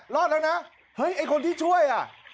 รอดแล้วนะเฮ้ยไอ้คนที่ช่วยอ่ะ